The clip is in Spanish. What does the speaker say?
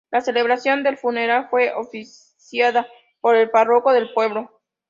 La celebración del funeral fue oficiada por el párroco del pueblo.